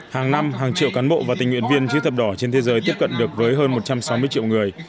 hàng năm hàng triệu cán bộ và tình nguyện viên chữ thập đỏ trên thế giới tiếp cận được với hơn một trăm sáu mươi triệu người